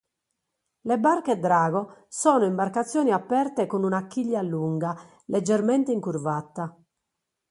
Le barche drago sono imbarcazioni aperte con una chiglia lunga, leggermente incurvata.